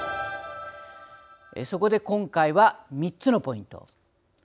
そこで、今回は３つのポイント